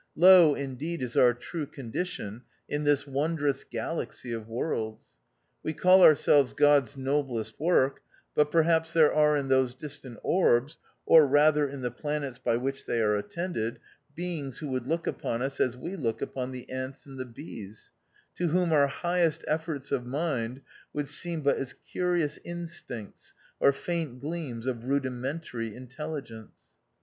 Low indeed is our true condition in this wondrous galaxy of worlds. We call ourselves God's "noblest work," but perhaps there are in those distant orbs, or rather in the planets by which they are attended, beings who would look upon us as we look upon the ants and the bees ; to whom our highest efforts of mind would seem but as curious instincts or faint gleams of rudimentary intelligence.